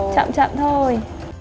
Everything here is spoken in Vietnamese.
chậm chậm thôi